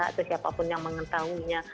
atau siapapun yang mengetahunya